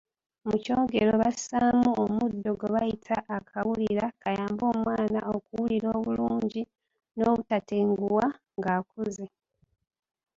Mu kyogero bassaamu omuddo gwe bayita akawulira kayambe omwana okuwulira obulungi n'obutatenguwa ng'akuze.